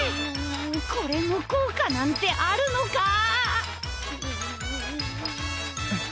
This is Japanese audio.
これも効果なんてあるのかぁ？